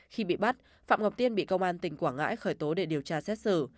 khi bị bắt phạm ngọc tiên bị công an tỉnh quảng ngãi khởi tố để điều tra xét xử